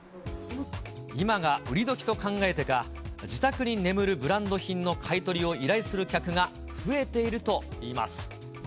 今が売り時と考えてか、自宅に眠るブランド品の買い取りを依頼する客が増えているといいます。